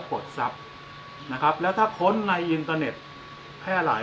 ปลดทรับนะครับแล้วถ้าคลในอินเตอร์เน็ตให้หลาย